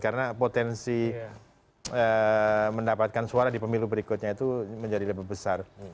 karena potensi mendapatkan suara di pemilu berikutnya itu menjadi lebih besar